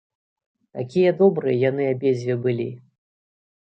Такія добрыя яны абедзве былі!